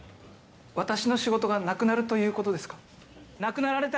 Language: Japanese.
私の仕事がなくなるということですか？